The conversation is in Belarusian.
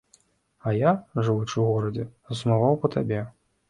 А я, жывучы ў горадзе, засумаваў па табе.